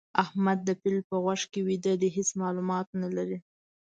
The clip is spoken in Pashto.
احمد د پيل په غوږ کې ويده دی؛ هيڅ مالومات نه لري.